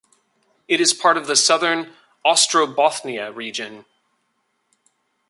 It is part of the Southern Ostrobothnia region.